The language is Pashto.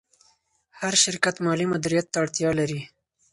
هر شرکت مالي مدیر ته اړتیا لري.